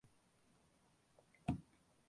கம்யூனிஸ்டுகள் வன்மையாக எதிர்த்தார்கள்.